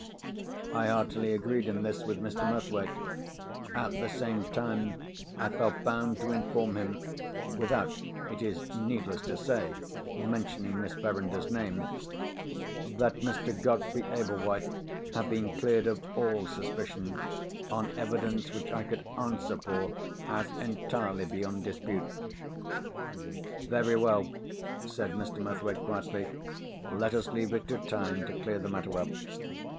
I heartily agreed in this with Mr. Murthwaite. At the same time, I felt bound to inform him (without, it is needless to say, mentioning Miss Verinder's name) that Mr. Godfrey Ablewhite had been cleared of all suspicion, on evidence which I could answer for as entirely beyond dispute. "Very well," said Mr. Murthwaite, quietly, "let us leave it to time to clear the matter up.